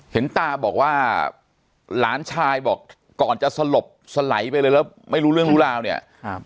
เห็นตาบอกว่าหลานชายบอกก่อนจะสลบสไหลไปเลยแล้วไม่รู้เรื่องรู้ราวเนี่ย